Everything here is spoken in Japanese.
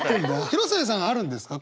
広末さんあるんですか？